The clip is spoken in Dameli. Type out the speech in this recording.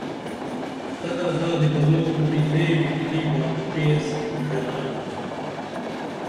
تگہ زادی بلو کُری لے وِٹِلی ڈامُوٹی ایس بِژرائیمہ تا